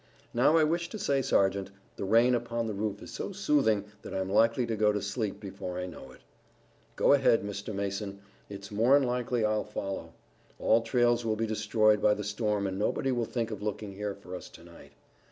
Now, I wish to say, Sergeant, the rain upon the roof is so soothing that I'm likely to go to sleep before I know it." "Go ahead, Mr. Mason, and it's more'n likely I'll follow. All trails will be destroyed by the storm and nobody will think of looking here for us to night."